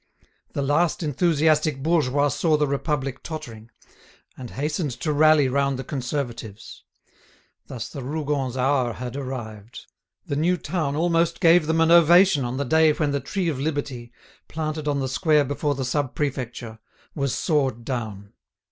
The last enthusiastic bourgeois saw the Republic tottering, and hastened to rally round the Conservatives. Thus the Rougons' hour had arrived; the new town almost gave them an ovation on the day when the tree of Liberty, planted on the square before the Sub Prefecture, was sawed down.